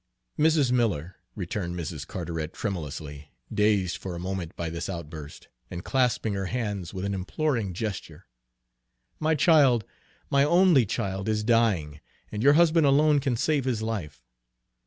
"Mrs. Miller," returned Mrs. Carteret tremulously, dazed for a moment by this outburst, and clasping her hands with an imploring gesture, "my child, my only child, is dying, and your husband alone can save his life.